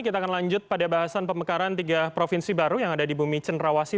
kita akan lanjut pada bahasan pemekaran tiga provinsi baru yang ada di bumi cenrawasi